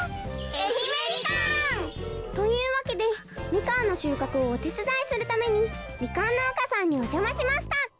愛媛みかん！というわけでみかんのしゅうかくをおてつだいするためにみかんのうかさんにおじゃましました！